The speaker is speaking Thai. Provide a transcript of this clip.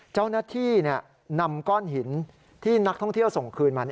เจ้าหน้าที่นำก้อนหินที่นักท่องเที่ยวส่งคืนมา